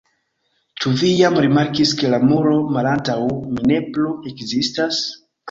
Ĉu vi jam rimarkis ke la muro malantaŭ mi ne plu ekzistas?